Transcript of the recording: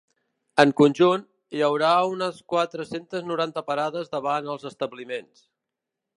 En conjunt, hi haurà unes quatre-centes noranta parades davant els establiments.